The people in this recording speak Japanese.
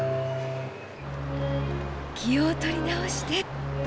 気を取り直してっと。